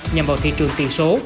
nhằm vào thị trường tiền số